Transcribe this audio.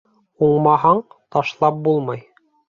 Уңмаһаң, ташлап булмай.